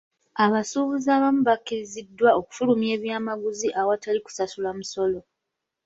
Abasuubuzi abamu bakkiriziddwa okufulumya ebyamaguzi ewatali kusasula musolo.